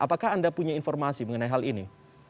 apakah anda punya informasi mengenai hal ini